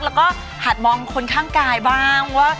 แล้วก็หัดมองคนข้างกายบ้างว่า